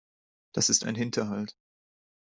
Das ist ein Hinterhalt.